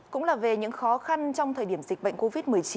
cũng là về những khó khăn trong thời điểm dịch bệnh covid một mươi chín